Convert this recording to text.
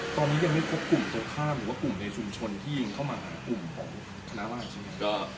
ตอนนี้ยังไม่พบกลุ่มตัวข้ามหรือว่ากลุ่มในชุมชนที่ยิงเข้ามาหากลุ่มของคณะราชใช่ไหม